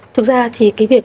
thực ra thì cái việc